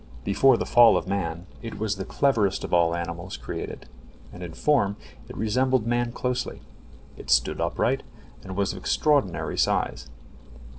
Before the fall of man it was the cleverest of all animals created, and in form it resembled man closely. It stood upright, and was of extraordinary size.